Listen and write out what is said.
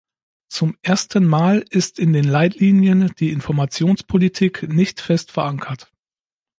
Zum erstenmal ist in den Leitlinien die Informationspolitik nicht fest verankert.